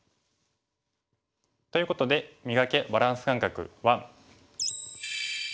ということで「磨け！バランス感覚１」。